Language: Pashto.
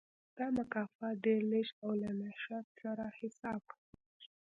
دا مکافات ډېر لږ او له نشت سره حساب و.